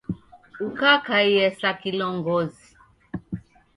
Ukakaiye sa kilongozi